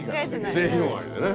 末広がりでね